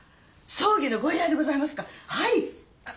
葬儀のご依頼でございますか？